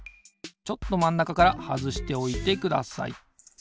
ちょっとまんなかからはずしておいてください。